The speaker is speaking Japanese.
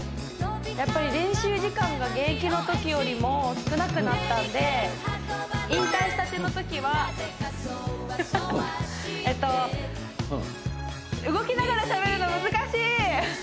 やっぱり練習時間が現役のときよりも少なくなったんで引退したてのときはえっとですよね！